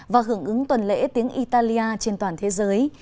và hưởng ứng tuần lễ tiếng italia trên toàn thế giới